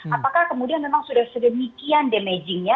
apakah kemudian memang sudah sedemikian damaging nya